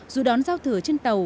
dù đón giao thừa trên tàu